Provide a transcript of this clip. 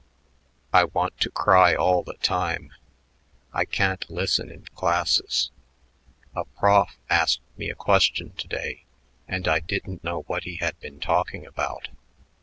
I want to cry all the time. I can't listen in classes. A prof asked me a question to day, and I didn't know what he had been talking about.